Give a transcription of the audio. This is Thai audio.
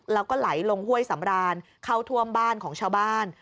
แล้วก็ไหลลงห้วยสำรานเข้าท่วมบ้านของชาวบ้าน